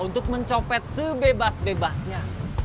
untuk mencopet sebebas bebasnya